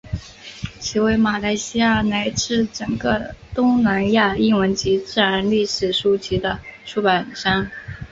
其为马来西亚乃至整个东南亚英文及自然历史书籍的出版商。